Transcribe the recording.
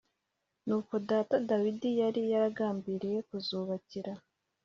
Nuko data dawidi yari yaragambiriye kuzubakira